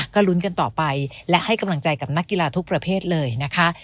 ก็ลุ้นกันต่อไปและให้กำลังใจกับนักกีฬาทุกประเภทเลยนะคะ